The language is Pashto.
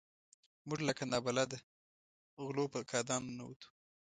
موږ لکه نابلده غلو په کادان ننوتو.